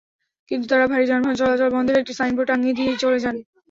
কিন্তু তাঁরা ভারী যানবাহন চলাচল বন্ধের একটি সাইনবোর্ড টাঙিয়ে দিয়েই চলে যান।